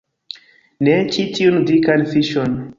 Ne, ĉi tiun dikan fiŝon